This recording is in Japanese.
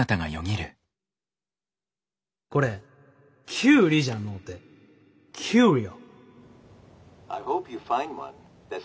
これキュウリじゃのうてキュウリオ。